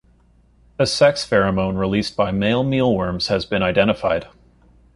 A sex pheromone released by male mealworms has been identified.